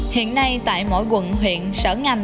hiện nay tại mỗi quận huyện sở ngành